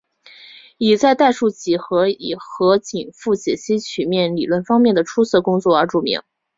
以在代数几何和紧复解析曲面理论方面的出色工作而著名。